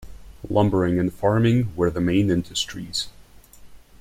Lumbering and farming were the main industries.